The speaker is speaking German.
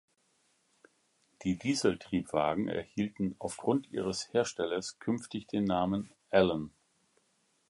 Die Dieseltriebwagen erhielten, aufgrund ihres Herstellers, künftig den Namen "Allan".